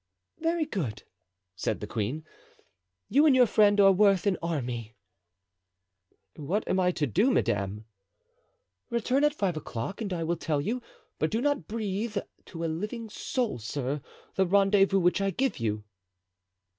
"Very good," said the queen; "you and your friend are worth an army." "What am I to do, madame?" "Return at five o'clock and I will tell you; but do not breathe to a living soul, sir, the rendezvous which I give you."